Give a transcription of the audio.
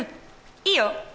いいよ。